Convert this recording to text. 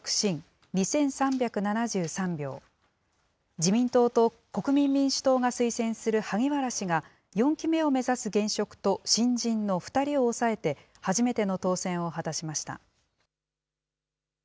自民党と国民民主党が推薦する萩原氏が、４期目を目指す現職と新人の２人を抑えて、初めての当選を果たしました。